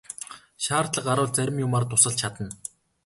Шаардлага гарвал зарим юмаар тусалж чадна.